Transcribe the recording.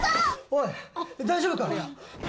おい大丈夫か？